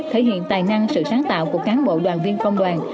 thể hiện tài năng sự sáng tạo của cán bộ đoàn viên công đoàn